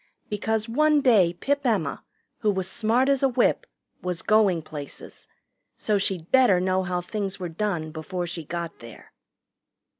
Because one day Pip Emma, who was smart as a whip, was going places, so she'd better know how things were done before she got there.